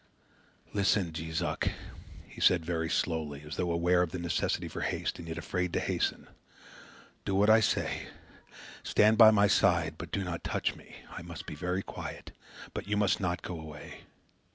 "Listen, Jees Uck!" he said very slowly, as though aware of the necessity for haste and yet afraid to hasten. "Do what I say. Stay by my side, but do not touch me. I must be very quiet, but you must not go away."